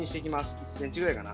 １ｃｍぐらいかな。